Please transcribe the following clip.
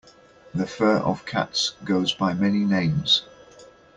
The fur of cats goes by many names.